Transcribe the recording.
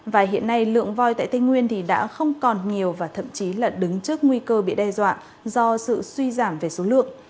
và hiện nay lượng voi tại tây nguyên đã không còn nhiều và thậm chí là đứng trước nguy cơ bị đe dọa do sự suy giảm về số lượng